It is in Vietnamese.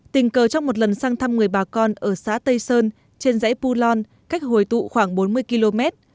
tình cờ trong một lần sang thăm người bà con ở xã tây sơn trên dãy pulon cách hồi tụ khoảng bốn mươi km